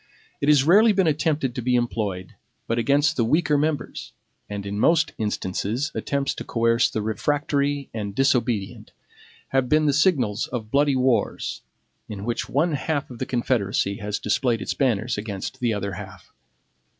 It has rarely been attempted to be employed, but against the weaker members; and in most instances attempts to coerce the refractory and disobedient have been the signals of bloody wars, in which one half of the confederacy has displayed its banners against the other half.